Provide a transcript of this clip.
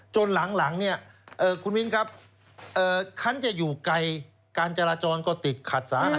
จนหลังเนี่ยคุณวิ้นครับเค้าจะอยู่ไกลการจรรย์ก็ติดขัดศาสน